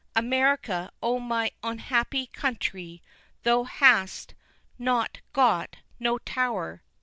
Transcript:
America, oh my onhappy country! thou hast not got no Tower!